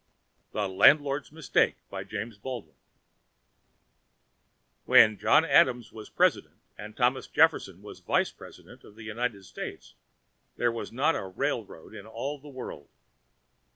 THE LANDLORD'S MISTAKE When John Adams was president and Thomas Jefferson was vice president of the United States, there was not a railroad in all the world.